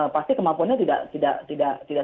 pasti kemampuannya tidak